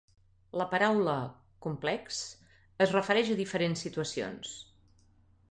La paraula "complex" es refereix a diferents situacions.